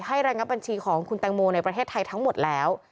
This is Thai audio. ระงับบัญชีของคุณแตงโมในประเทศไทยทั้งหมดแล้ว